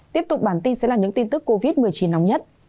tiếp tục bản tin sẽ là những tin tức covid một mươi chín nóng nhất